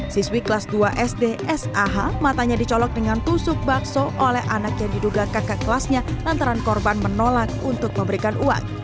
siswi kelas dua sd sah matanya dicolok dengan tusuk bakso oleh anak yang diduga kakak kelasnya lantaran korban menolak untuk memberikan uang